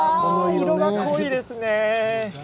色が濃いですね。